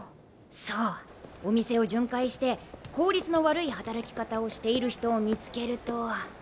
そう、お店を巡回して効率の悪い働き方をしている人を見つけると。